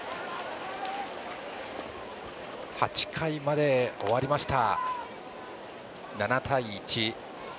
８回まで終わりました。